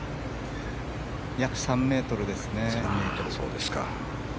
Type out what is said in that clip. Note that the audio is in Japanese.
約３ｍですね。